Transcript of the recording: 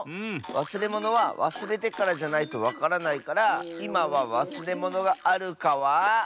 わすれものはわすれてからじゃないとわからないからいまはわすれものがあるかは。